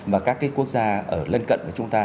mà các cái quốc gia ở lân cận của chúng ta